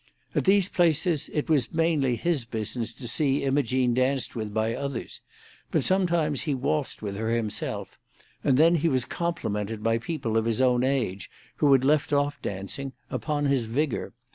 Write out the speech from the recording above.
At these places it was mainly his business to see Imogene danced with by others, but sometimes he waltzed with her himself, and then he was complimented by people of his own age, who had left off dancing, upon his vigour.